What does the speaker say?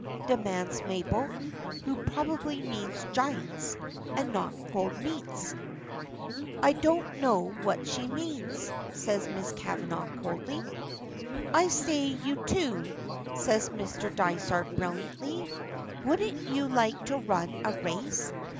demands Mabel, who probably means giants, and not cold meats. "I don't know what she means," says Miss Kavanagh, coldly. "I say, you two," says Mr. Dysart, brilliantly, "wouldn't you like to run a race?